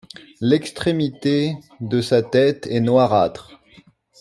L'extrémité de sa tête est noirâtre.